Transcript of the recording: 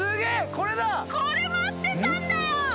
これ待ってたんだよ！